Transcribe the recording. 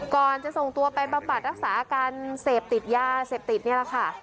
ก่อนจะส่งตัวไปบำบัดรักษาอาการเสพติดยาเสพติดนี่แหละค่ะ